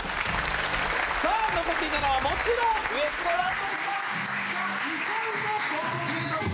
さあ、残っていたのはもちろんウエストランドでした。